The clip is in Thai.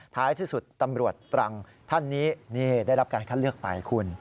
ท้ายที่สุดตำรวจตรังท่านนี้นี่ได้รับการคัดเลือกไปคุณ